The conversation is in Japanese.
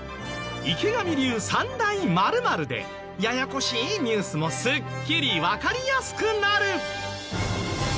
池上流３大○○でややこしいニュースもすっきりわかりやすくなる！